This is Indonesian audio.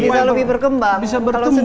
bisa lebih berkembang